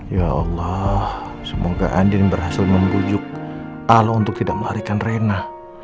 ya allah semoga andin berhasil membujuk allah untuk tidak melarikan rena